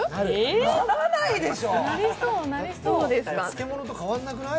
漬物と変わらなくない？